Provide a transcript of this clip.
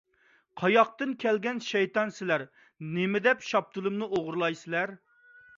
قاياقتىن كەلگەن شەيتان سىلەر! نېمىدەپ شاپتۇلۇمنى ئوغرىلايسىلەر!